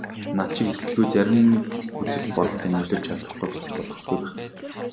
Над шиг итгэлгүй зарим нэг үзэл бодолтой нь эвлэрч чадахгүй болчихвол тусгүй байх.